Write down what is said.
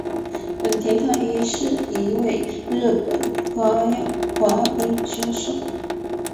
本田太一是一位日本男子花样滑冰选手。